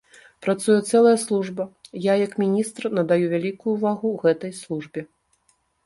Працуе цэлая служба, я як міністр надаю вялікую ўвагу гэтай службе.